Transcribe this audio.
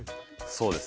そうですね。